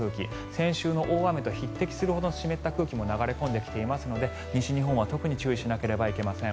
先週の大雨と匹敵するほど湿った空気が流れ込んできていますので西日本は特に注意しなければなりません。